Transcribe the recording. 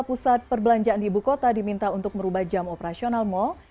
pusat perbelanjaan di ibu kota diminta untuk merubah jam operasional mal